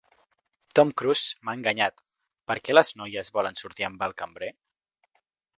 Tom Cruise m'ha enganyat! per què les noies volen sortir amb el cambrer?